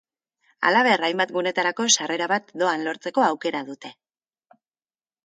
Halaber, hainbat gunetarako sarrera bat doan lortzeko aukera dute.